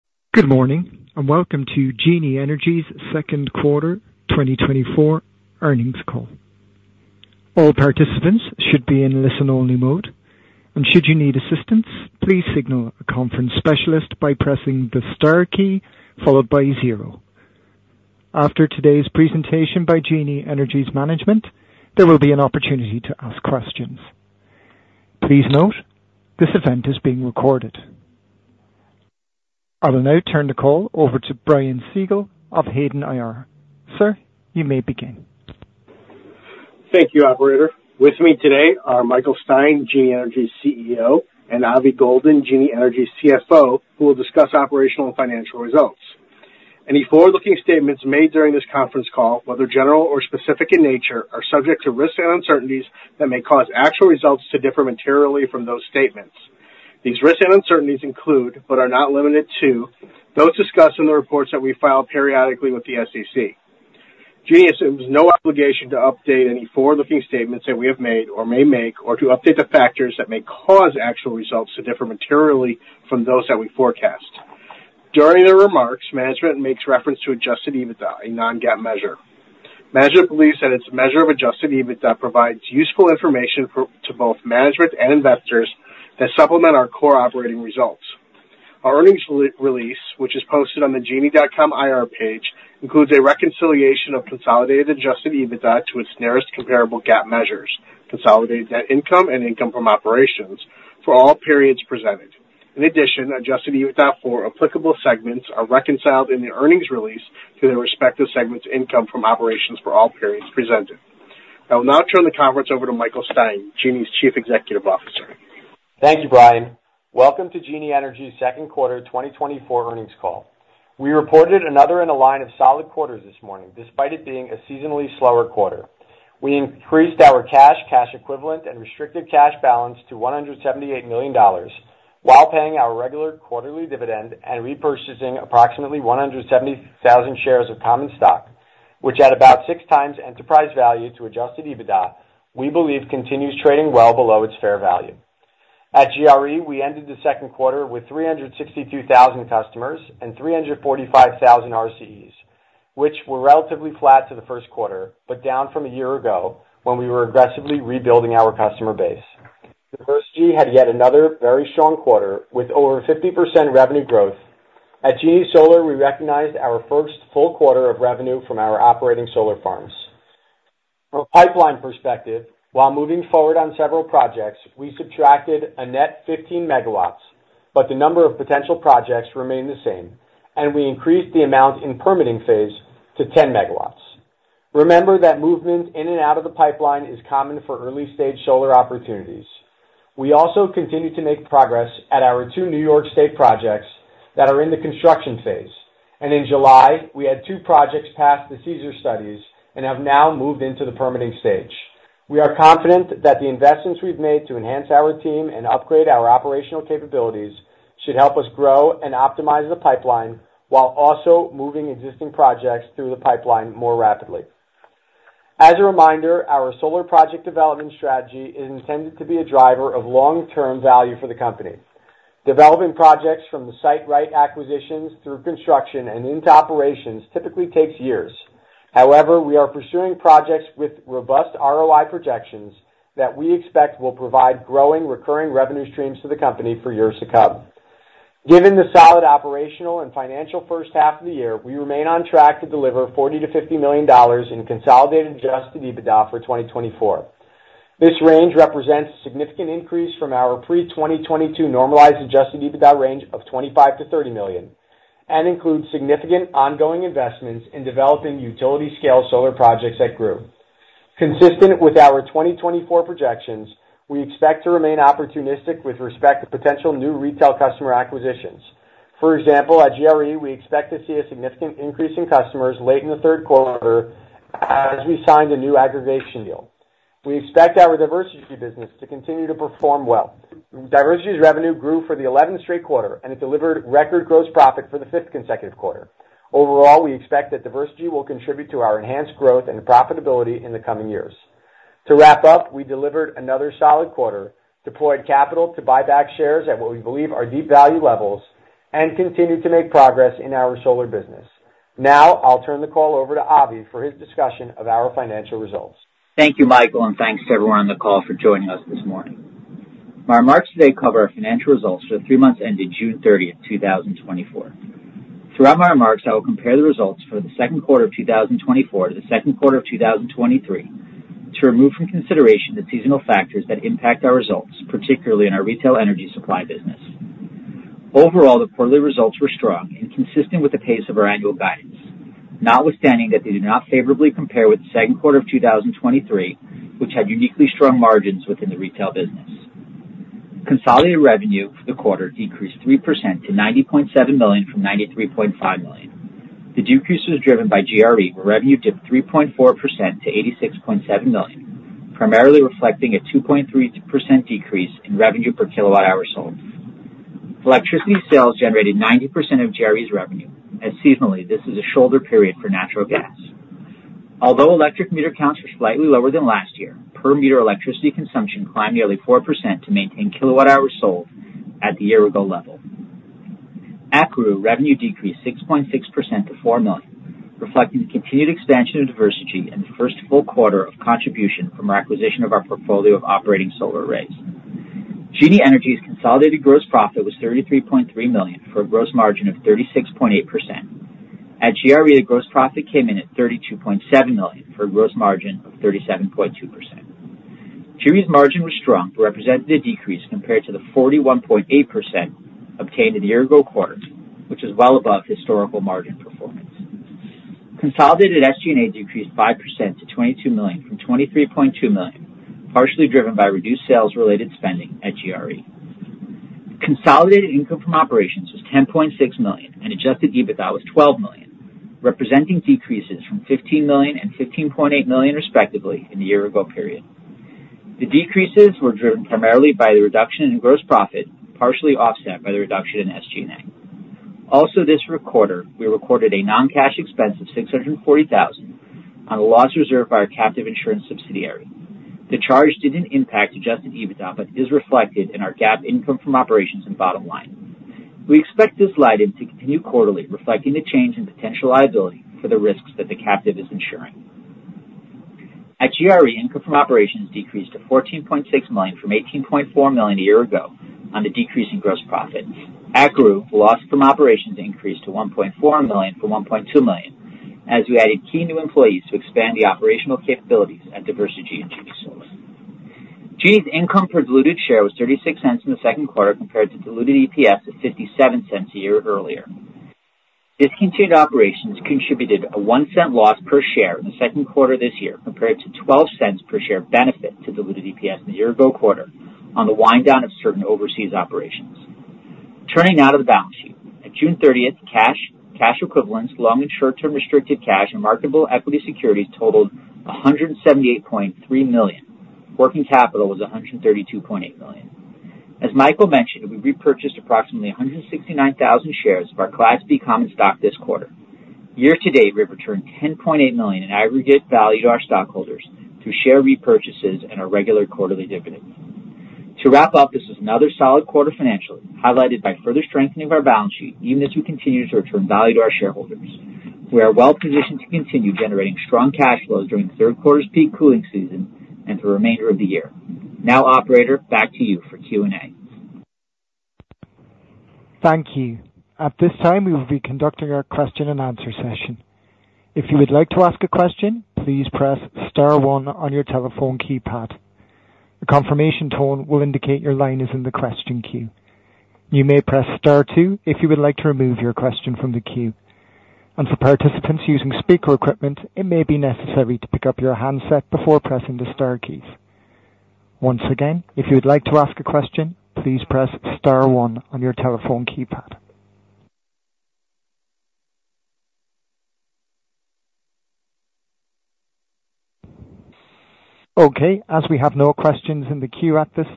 Good morning, and welcome to Genie Energy's second quarter 2024 earnings call. All participants should be in listen-only mode, and should you need assistance, please signal a conference specialist by pressing the star key followed by zero. After today's presentation by Genie Energy's management, there will be an opportunity to ask questions. Please note, this event is being recorded. I will now turn the call over to Brian Siegel of Hayden IR. Sir, you may begin. Thank you, operator. With me today are Michael Stein, Genie Energy's CEO, and Avi Goldin, Genie Energy's CFO, who will discuss operational and financial results. Any forward-looking statements made during this conference call, whether general or specific in nature, are subject to risks and uncertainties that may cause actual results to differ materially from those statements. These risks and uncertainties include, but are not limited to, those discussed in the reports that we file periodically with the SEC. Genie assumes no obligation to update any forward-looking statements that we have made or may make, or to update the factors that may cause actual results to differ materially from those that we forecast. During the remarks, management makes reference to adjusted EBITDA, a non-GAAP measure. Management believes that its measure of adjusted EBITDA provides useful information to both management and investors that supplement our core operating results. Our earnings re-release, which is posted on the genie.com IR page, includes a reconciliation of consolidated Adjusted EBITDA to its nearest comparable GAAP measures, consolidated net income and income from operations for all periods presented. In addition, Adjusted EBITDA for applicable segments are reconciled in the earnings release to their respective segments' income from operations for all periods presented. I will now turn the conference over to Michael Stein, Genie's Chief Executive Officer. Thank you, Brian. Welcome to Genie Energy's second quarter 2024 earnings call. We reported another in a line of solid quarters this morning, despite it being a seasonally slower quarter. We increased our cash, cash equivalent, and restricted cash balance to $178 million, while paying our regular quarterly dividend and repurchasing approximately 170,000 shares of common stock, which at about 6x Enterprise Value to Adjusted EBITDA, we believe continues trading well below its fair value. At GRE, we ended the second quarter with 362,000 customers and 345,000 RCEs, which were relatively flat to the first quarter, but down from a year ago when we were aggressively rebuilding our customer base. Diversegy had yet another very strong quarter, with over 50% revenue growth. At Genie Solar, we recognized our first full quarter of revenue from our operating solar farms. From a pipeline perspective, while moving forward on several projects, we subtracted a net 15 megawatts, but the number of potential projects remained the same, and we increased the amount in permitting phase to 10 megawatts. Remember that movement in and out of the pipeline is common for early-stage solar opportunities. We also continued to make progress at our two New York State projects that are in the construction phase, and in July, we had two projects pass the CESIR and have now moved into the permitting stage. We are confident that the investments we've made to enhance our team and upgrade our operational capabilities should help us grow and optimize the pipeline while also moving existing projects through the pipeline more rapidly. As a reminder, our solar project development strategy is intended to be a driver of long-term value for the company. Developing projects from the site acquisition through construction and into operations typically takes years. However, we are pursuing projects with robust ROI projections that we expect will provide growing recurring revenue streams to the company for years to come. Given the solid operational and financial first half of the year, we remain on track to deliver $40 million-$50 million in consolidated Adjusted EBITDA for 2024. This range represents a significant increase from our pre-2022 normalized Adjusted EBITDA range of $25 million-$30 million and includes significant ongoing investments in developing utility-scale solar projects at GREW. Consistent with our 2024 projections, we expect to remain opportunistic with respect to potential new retail customer acquisitions. For example, at GRE, we expect to see a significant increase in customers late in the third quarter as we signed a new aggregation deal. We expect our Diversegy business to continue to perform well. Diversegy's revenue grew for the eleventh straight quarter, and it delivered record gross profit for the fifth consecutive quarter. Overall, we expect that Diversegy will contribute to our enhanced growth and profitability in the coming years. To wrap up, we delivered another solid quarter, deployed capital to buy back shares at what we believe are deep value levels, and continued to make progress in our solar business. Now, I'll turn the call over to Avi for his discussion of our financial results. Thank you, Michael, and thanks to everyone on the call for joining us this morning. My remarks today cover our financial results for the three months ending June 30, 2024. Throughout my remarks, I will compare the results for the second quarter of 2024 to the second quarter of 2023, to remove from consideration the seasonal factors that impact our results, particularly in our retail energy supply business. Overall, the quarterly results were strong and consistent with the pace of our annual guidance, notwithstanding that they did not favorably compare with the second quarter of 2023, which had uniquely strong margins within the retail business. Consolidated revenue for the quarter decreased 3% to $90.7 million from $93.5 million. The decrease was driven by GRE, where revenue dipped 3.4%-$86.7 million, primarily reflecting a 2.3% decrease in revenue per kilowatt hour sold. Electricity sales generated 90% of GRE's revenue, as seasonally, this is a shoulder period for natural gas. Although electric meter counts were slightly lower than last year, per meter electricity consumption climbed nearly 4% to maintain kilowatt hours sold at the year-ago level. At GREW, revenue decreased 6.6% to $4 million, reflecting the continued expansion of Diversegy in the first full quarter of contribution from our acquisition of our portfolio of operating solar arrays. Genie Energy's consolidated gross profit was $33.3 million, for a gross margin of 36.8%. At GRE, gross profit came in at $32.7 million, for a gross margin of 37.2%. Genie's margin was strong, represented a decrease compared to the 41.8% obtained in the year-ago quarter, which is well above historical margin performance. Consolidated SG&A decreased 5% to $22 million from $23.2 million, partially driven by reduced sales-related spending at GRE. Consolidated income from operations was $10.6 million, and Adjusted EBITDA was $12 million, representing decreases from $15 million and $15.8 million, respectively, in the year-ago period. The decreases were driven primarily by the reduction in gross profit, partially offset by the reduction in SG&A. Also, this quarter, we recorded a non-cash expense of $640,000 on a loss reserve by our captive insurance subsidiary. The charge didn't impact Adjusted EBITDA, but is reflected in our GAAP income from operations and bottom line. We expect this item to continue quarterly, reflecting the change in potential liability for the risks that the captive is insuring. At GRE, income from operations decreased to $14.6 million from $18.4 million a year ago on the decrease in gross profit. At GRU, loss from operations increased to $1.4 million from $1.2 million, as we added key new employees to expand the operational capabilities at Diversegy and Genie Solar. Genie's income per diluted share was $0.36 in the second quarter, compared to diluted EPS of $0.57 a year earlier. Discontinued operations contributed a $0.01 loss per share in the second quarter this year, compared to $0.12 per share benefit to diluted EPS in the year-ago quarter on the wind down of certain overseas operations. Turning now to the balance sheet. At June 30, cash, cash equivalents, long- and short-term restricted cash, and marketable equity securities totaled $178.3 million. Working capital was $132.8 million. As Michael mentioned, we repurchased approximately 169,000 shares of our Class B Common Stock this quarter. Year-to-date, we've returned $10.8 million in aggregate value to our stockholders through share repurchases and our regular quarterly dividend. To wrap up, this is another solid quarter financially, highlighted by further strengthening of our balance sheet, even as we continue to return value to our shareholders. We are well positioned to continue generating strong cash flows during the third quarter's peak cooling season and the remainder of the year. Now, operator, back to you for Q&A. Thank you. At this time, we will be conducting our question-and-answer session. If you would like to ask a question, please press star one on your telephone keypad. A confirmation tone will indicate your line is in the question queue. You may press star two if you would like to remove your question from the queue. And for participants using speaker equipment, it may be necessary to pick up your handset before pressing the star keys. Once again, if you would like to ask a question, please press star one on your telephone keypad. Okay, as we have no questions in the queue at this time-